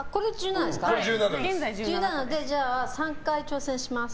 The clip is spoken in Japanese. １７で３回挑戦します。